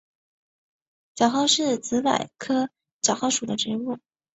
角蒿是紫葳科角蒿属的植物。